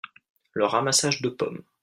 Le ramassage de pommes.